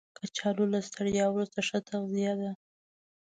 کچالو له ستړیا وروسته ښه تغذیه ده